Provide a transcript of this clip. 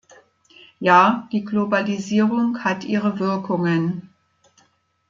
Ja, die Globalisierung hat ihre Wirkungen.